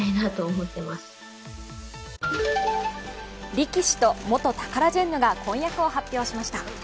力士と元タカラジェンヌが婚約を発表しました。